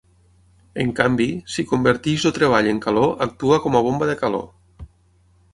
En canvi, si converteix el treball en calor, actua com a bomba de calor.